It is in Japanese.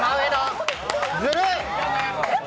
ずるい。